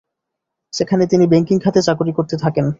সেখানে তিনি ব্যাংকিং খাতে চাকুরী করতে থাকেন।